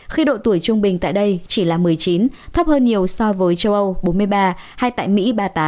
khi độ tuổi trung bình tại đây chỉ là một mươi chín thấp hơn nhiều so với châu âu bốn mươi ba hay tại mỹ ba mươi tám